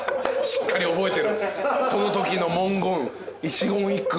しっかり覚えてるそのときの文言一言一句。